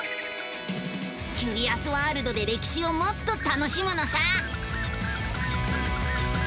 キュリアスワールドで歴史をもっと楽しむのさ！